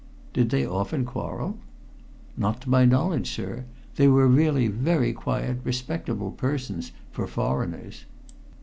"Did they often quarrel?" "Not to my knowledge, sir. They were really very quiet, respectable persons for foreigners."